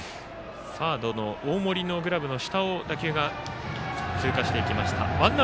サードの大森のグラブの下を打球が通過していきました。